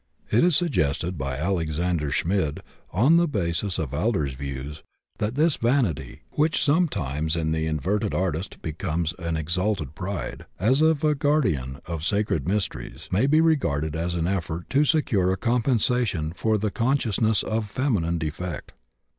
It is suggested by Alexander Schmid, on the basis of Adler's views, that this vanity, which sometimes in the inverted artist becomes an exalted pride, as of a guardian of sacred mysteries, may be regarded as an effort to secure a compensation for the consciousness of feminine defect.